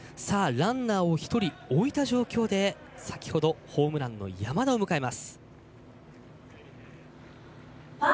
ランナーを１人置いた状況で先ほどホームランを打っている山田を迎えます。